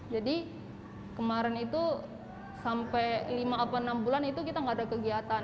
jadi kemarin itu sampai lima atau enam bulan itu kita nggak ada kegiatan